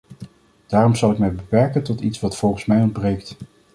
Daarom zal ik mij beperken tot iets wat volgens mij ontbreekt.